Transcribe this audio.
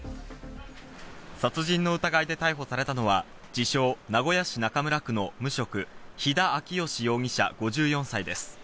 殺人の疑いで逮捕されたのは、自称、名古屋市中村区の無職・肥田昭吉容疑者、５４歳です。